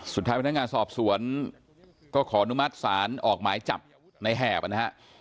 สุดท้ายพนักงานสอบสวนก็ขออนุมัติสารออกหมายจับในแหบนะครับ